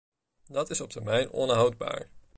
Dat is op termijn onhoudbaar.